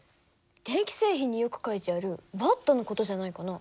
電気製品によく書いてあるＷの事じゃないかな？